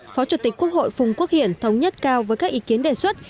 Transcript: phó chủ tịch quốc hội phùng quốc hiển thống nhất cao với các ý kiến đề xuất